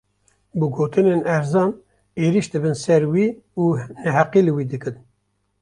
Bi gotinên erzan, êrîş dibin ser wî û neheqî li wî dikin